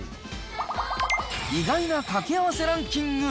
意外なかけあわせランキング。